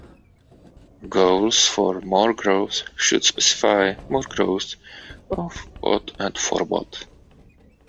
Goals for more growth should specify more growth of what and for what.